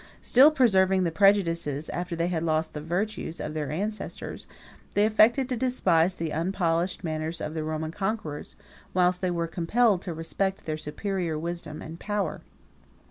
Still preserving the prejudices, after they had lost the virtues, of their ancestors, they affected to despise the unpolished manners of the Roman conquerors, whilst they were compelled to respect their superior wisdom and power.